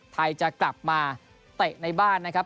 ไทยจะกลับมาเตะในบ้านนะครับ